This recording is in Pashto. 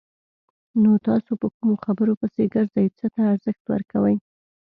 نو تاسو په کومو خبرو پسې ګرځئ! څه ته ارزښت ورکوئ؟